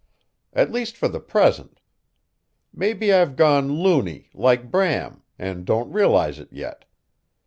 "At least for the present. Maybe I've gone loony, like Bram, and don't realize it yet.